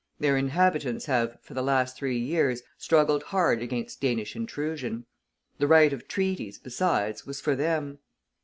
Their inhabitants have, for the last three years, struggled hard against Danish intrusion. The right of treaties, besides, was for them.